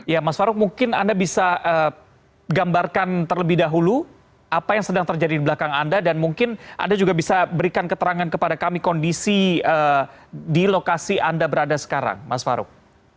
ya mas farouk mungkin anda bisa gambarkan terlebih dahulu apa yang sedang terjadi di belakang anda dan mungkin anda juga bisa berikan keterangan kepada kami kondisi di lokasi anda berada sekarang mas farouk